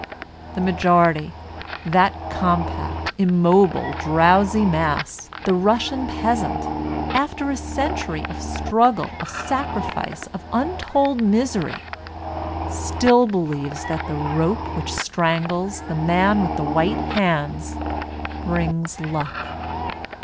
The majority, that compact, immobile, drowsy mass, the Russian peasant, after a century of struggle, of sacrifice, of untold misery, still believes that the rope which strangles "the man with the white hands" brings luck.